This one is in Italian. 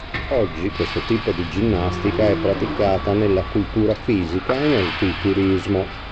Oggi questo tipo di ginnastica è praticata nella cultura fisica e nel culturismo.